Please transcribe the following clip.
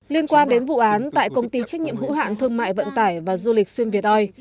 liên quan đến vụ án tại công ty trách nhiệm hữu hạn thương mại vận tải và du lịch xuyên việt oi